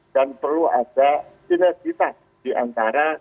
dan perlu ada sinergifat diantara